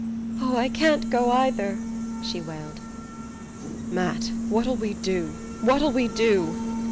"Oh, I can't go either!" she wailed. "Matt! What'll we do? What'll we do?"